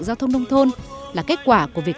giao thông nông thôn là kết quả của việc